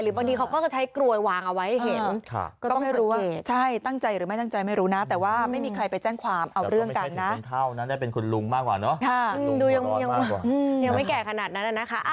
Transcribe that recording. หรือบางทีเขาก็จะใช้กลวยวางเอาไว้ให้เห็น